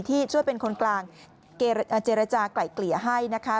ที่ช่วยเป็นคนกลางเจรจากลายเกลี่ยให้นะคะ